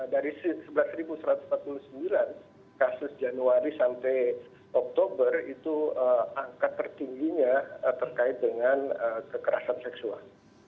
dari sebelas satu ratus empat puluh sembilan kasus januari sampai oktober itu angka tertingginya terkait dengan kekerasan seksual